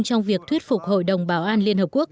trong việc thuyết phục hội đồng bảo an liên hợp quốc